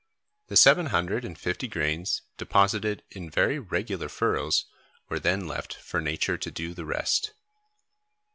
The seven hundred and fifty grains, deposited in very regular furrows, were then left for nature to do the rest.